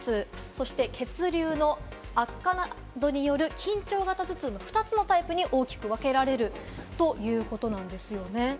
そして血流の悪化などによる緊張型頭痛の２つのタイプに大きく分けられるということなんですよね。